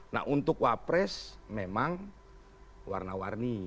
nah untuk wapres memang warna warni